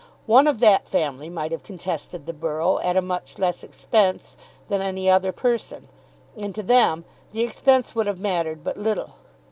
One of that family might have contested the borough at a much less expense than any other person, and to them the expense would have mattered but little.